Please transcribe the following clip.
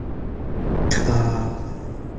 跤